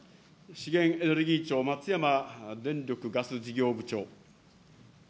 資源エネルギー庁、松山電力ガス事業部長。